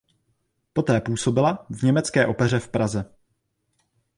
Poté působila v německé opeře v Praze.